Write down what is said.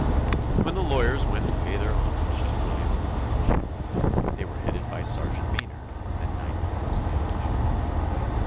When the lawyers went to pay their homage to William of Orange, they were headed by Sergeant Maynard, then ninety years of age.